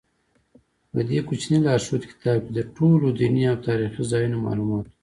په دې کوچني لارښود کتاب کې د ټولو دیني او تاریخي ځایونو معلومات و.